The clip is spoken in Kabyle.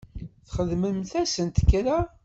Txedmemt-asent kra?